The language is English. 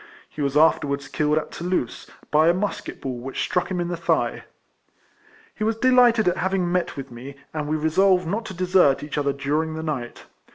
He was afterwards killed at Toulouse, by a musket ball which struck him in the thigh. He was delighted at having met with me, and we resolved not to desert each other during the night.